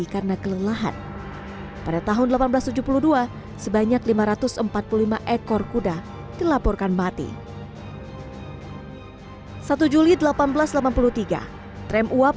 karena kelelahan pada tahun seribu delapan ratus tujuh puluh dua sebanyak lima ratus empat puluh lima ekor kuda dilaporkan mati satu juli seribu delapan ratus delapan puluh tiga rem uap